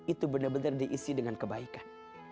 itu benar benar diisi dengan kebaikan